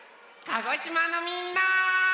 鹿児島のみんな！